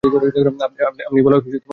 আপনি বলায় খুশি হলাম।